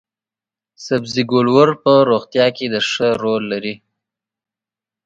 سبزي ګولور په روغتیا کې د ښه رول لري.